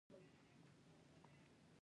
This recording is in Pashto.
بادام یې په کراره مات کړل.